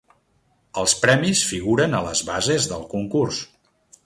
Els premis figuren a les bases del concurs.